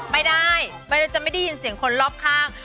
ไม่ได้ไม่ได้จะได้ยินเสียงคนรอบข้าง